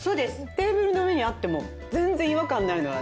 テーブルの上にあっても全然違和感ないのは。